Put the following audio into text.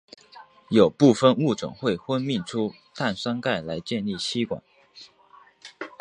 有部分物种会分泌出碳酸钙来建立栖管。